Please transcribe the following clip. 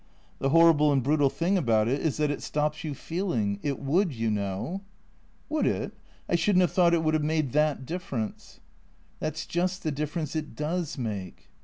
" The horrible and brutal thing about it is that it stops you feeling. It would, you know." " AYould it? I shouldn't have thought it would have made that difl^erence." " That 's just the difference it does make."